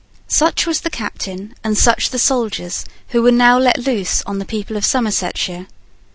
Such was the captain and such the soldiers who were now let loose on the people of Somersetshire.